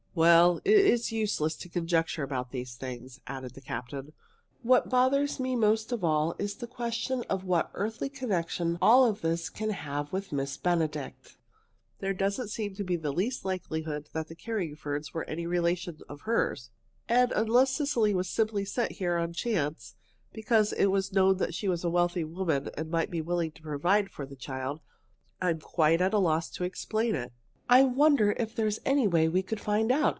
"Well, it is useless to conjecture about these things," added the captain. "What bothers me most of all is the question of what earthly connection all this can have with Miss Benedict. There doesn't seem to be the least likelihood that the Carringfords were any relations of hers, and unless Cecily was simply sent there on a chance, because it was known that she was a wealthy woman and might be willing to provide for the child, I'm quite at a loss to explain it." "I wonder if there is any way we could find out?"